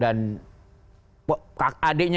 dan kakak adeknya